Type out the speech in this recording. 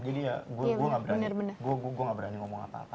jadi ya gue enggak berani ngomong apa apa gitu